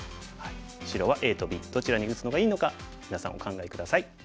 白はＡとＢどちらに打つのがいいのかみなさんお考え下さい。